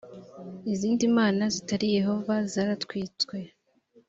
izindi mana zitari yehova zaratwitswe